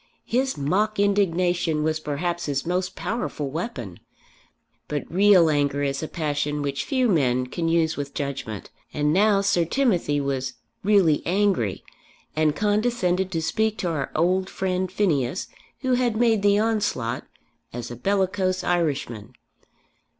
His mock indignation was perhaps his most powerful weapon. But real anger is a passion which few men can use with judgment. And now Sir Timothy was really angry, and condescended to speak of our old friend Phineas who had made the onslaught as a bellicose Irishman.